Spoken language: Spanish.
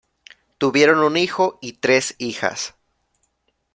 Tuvieron un hijo y tres hijas.